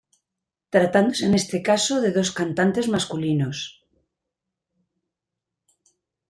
Tratándose en este caso de dos cantantes masculinos.